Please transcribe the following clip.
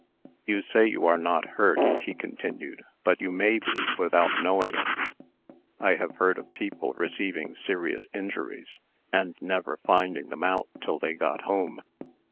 "You say you are not hurt," he continued; "but you may be, without knowing it. I have heard of people receiving serious injuries, and never finding them out till they got home.